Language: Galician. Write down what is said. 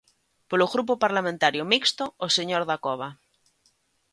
Polo Grupo Parlamentario Mixto, o señor Dacova.